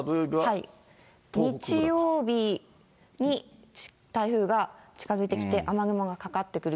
日曜日に台風が近づいてきて、雨雲がかかってくる。